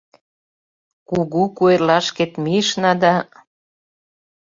Кугу куэрлашкет мийышна да